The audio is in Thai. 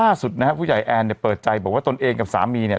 ล่าสุดนะฮะผู้ใหญ่แอนเนี่ยเปิดใจบอกว่าตนเองกับสามีเนี่ย